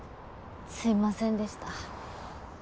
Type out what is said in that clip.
すいませんでした。